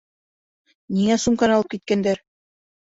Ниңә сумканы алып киткәндәр?